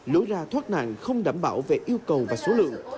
lối ra thoát nạn không đảm bảo về yêu cầu và số lượng